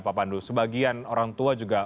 pak pandu sebagian orang tua juga